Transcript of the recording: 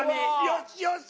よしよし！